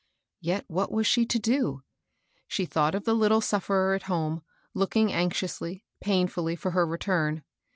Yet what was she to do? She thought of the httle sufferer at home, look ing anxiously, painAilly for her return.